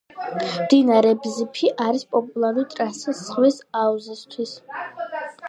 მდინარე ბზიფი არის პოპულარული ტრასა წყლის ტურიზმისთვის.